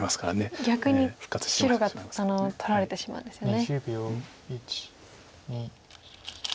逆に白が取られてしまうんですよね。